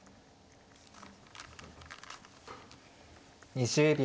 ２０秒。